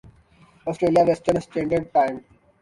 Australia western standard time